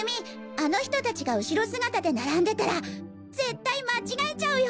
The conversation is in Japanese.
あの人達が後ろ姿で並んでたら絶対間違えちゃうよ！